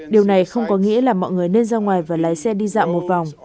điều này không có nghĩa là mọi người nên ra ngoài và lái xe đi dạo một vòng